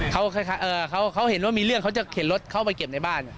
เขาเห็นว่ามีเรื่องเขาจะเข็นรถเข้าไปเก็บในบ้าน